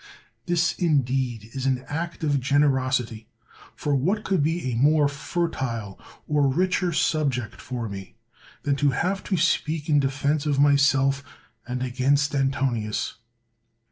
This, indeed, is an act of generosity; for what could be a more fertile or richer sub ject for me, than to have to speak in defense of myself, and against Antonius?